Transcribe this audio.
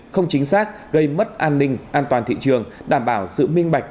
không chính xác gây mất an ninh an toàn thị trường đảm bảo sự minh bạch